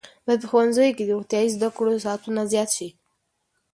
باید په ښوونځیو کې د روغتیايي زده کړو ساعتونه زیات شي.